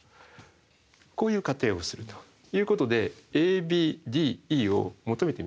こういう仮定をするということでＡＢＤＥを求めてみようというようなことを